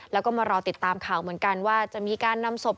แล้วก็มารอติดตามข่าวเหมือนกันว่าจะมีการนำศพ